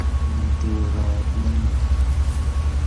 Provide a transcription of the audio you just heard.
موٹو رات لنگین